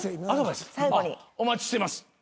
お待ちしてます。